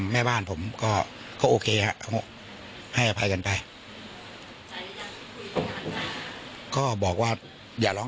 เพราะแข่งที่คุณซูอาหรืองง